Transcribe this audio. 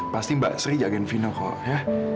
pasti mbak sri jagain fina kok ya